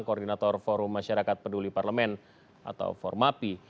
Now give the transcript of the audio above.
koordinator forum masyarakat peduli parlemen atau formapi